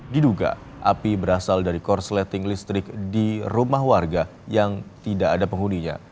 diduga api berasal dari korsleting listrik di rumah warga yang tidak ada penghuninya